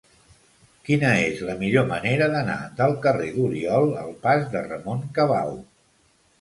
Quina és la millor manera d'anar del carrer d'Oriol al pas de Ramon Cabau?